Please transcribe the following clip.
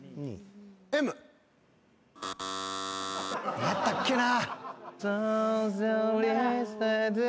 何やったっけな。